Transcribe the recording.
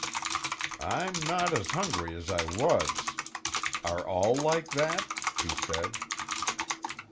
"I'm not as hungry as I was. Are all like that?" he said.